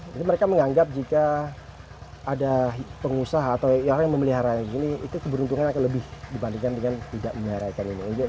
jadi mereka menganggap jika ada pengusaha atau orang yang memelihara ikan ini itu keberuntungan akan lebih dibandingkan dengan tidak memelihara ikan ini